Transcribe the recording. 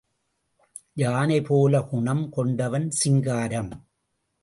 யானை போல குணம் கொண்டவன் சிங்காரம்.